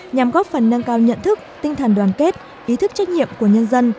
nhằm góp phần nâng cao nhận thức tinh thần đoàn kết ý thức trách nhiệm của nhân dân